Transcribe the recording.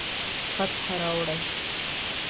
فتح راوړي